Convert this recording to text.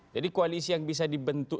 jadi koalisi yang bisa dibentuk